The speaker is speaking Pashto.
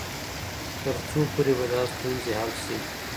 تر څو پورې به دا ستونزې حل سي؟